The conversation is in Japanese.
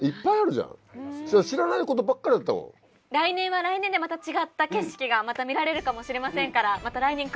来年は来年でまた違った景色が見られるかもしれませんから。